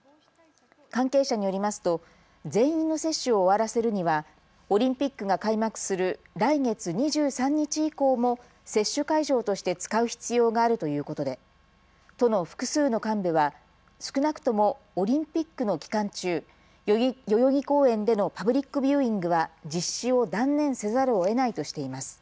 関係者によりますと全員の接種を終わらせるにはオリンピックが開幕する来月２３日以降も接種会場として使う必要があるということで都の複数の幹部は少なくともオリンピックの期間中、代々木公園でのパブリックビューイングは実施を断念せざるをえないとしています。